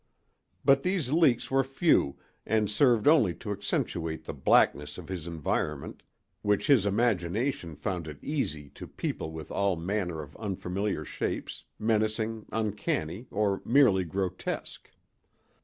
But these leaks were few and served only to accentuate the blackness of his environment, which his imagination found it easy to people with all manner of unfamiliar shapes, menacing, uncanny, or merely grotesque.